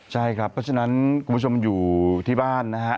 ใช่ครับเพราะฉะนั้นคุณผู้ชมอยู่ที่บ้านนะฮะ